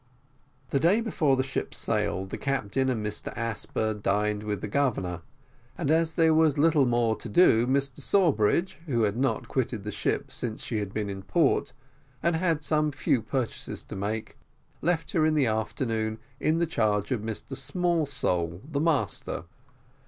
The day before the ship sailed, the Captain and Mr Asper dined with the governor, and as there was little more to do, Mr Sawbridge, who had not quitted the ship since she had been in port, and had some few purchases to make, left her in the afternoon in the charge of Mr Smallsole, the master.